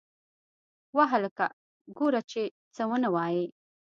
وه هلکه گوره چې څه ونه وايې.